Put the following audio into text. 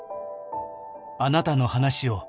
「あなたの話を」